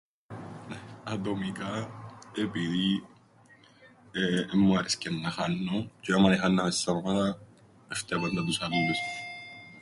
Ατομικά, επειδή εν μου άρεσκεν να χάννω τζ̆αι άμαν εχάνναμεν σαν ομάδα έφταια πάντα τους άλλους.